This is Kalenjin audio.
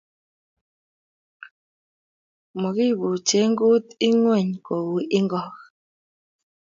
Makibuche kut ing’ony kou ing’ok